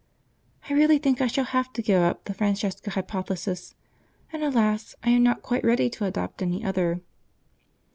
I really think I shall have to give up the Francesca hypothesis, and, alas! I am not quite ready to adopt any other.